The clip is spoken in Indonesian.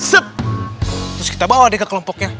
terus kita bawa deh ke kelompoknya